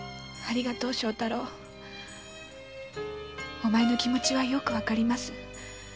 お前の気持ちはよくわかります。